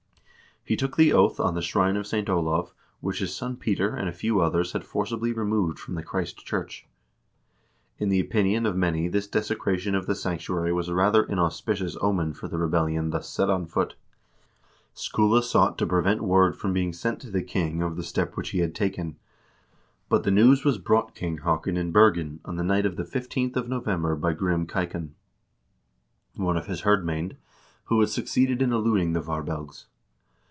He took the oath on the shrine of St. Olav, which his son Peter and a few others had forcibly removed from the Christ church. In the opinion of many this desecration of the sanctuary was a rather inauspicious omen for the rebellion thus set on foot. Skule sought to prevent word from being sent to the king of the step which he had taken, but the news was brought King Haakon in Bergen on the night of the 15th of November by Grim Keikan, KING HAAKON HAAKONSSON AND SKULE JARL 419 one of his hirdmcend, who had succeeded in eluding the Varbelgs.